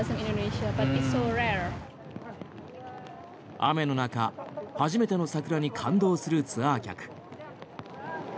雨の中初めての桜に感動するツアー客。